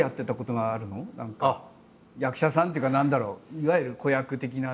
何か役者さんっていうか何だろういわゆる子役的な。